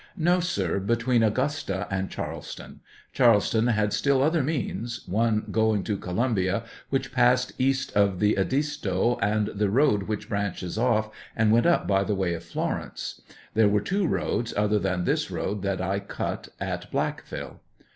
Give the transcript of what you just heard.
No, sir, between Augusta and Charleston ; Charles, ton had still other means — one going to. Coiumbia, which passed east of the Edisto, and the road which branched off, and went up by way of Florence ; there were two roads other than this road that I cut at Blackville.